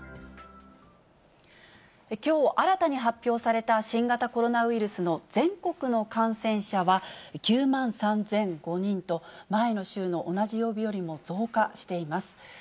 きょう、新たに発表された新型コロナウイルスの全国の感染者は９万３００５人と、前の週の同じ曜日よりも増加しています。